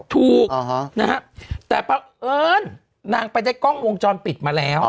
ถูกแต่ปะเอิญนางไปได้กล้องวงจรปิดมาแล้ว